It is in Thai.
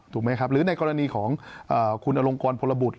ถูกไหมครับหรือในกรณีของคุณอลงกรพลบุตร